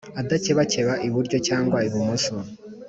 adakebakeba iburyo cyangwa ibumoso